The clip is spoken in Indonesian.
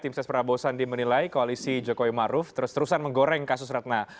tim ses prabowo sandi menilai koalisi jokowi maruf terus terusan menggoreng kasus ratna